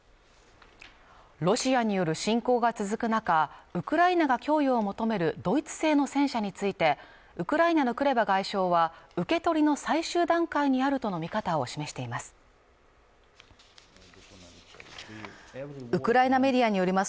ロシアによる侵攻が続く中ウクライナが供与を求めるドイツ製の戦車についてウクライナのクレバ外相は受け取りの最終段階にあるとの見方を示しています